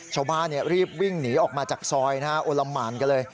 ชาวบ้านเนี่ยรีบวิ่งหนีออกมาจากซอยนะฮะโอลัมมานกันเลย